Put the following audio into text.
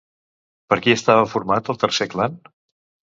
Per qui estava format el tercer clan?